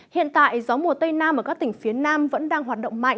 hiện tại gió mùa tây nam ở các tỉnh phía nam vẫn đang hoạt động mạnh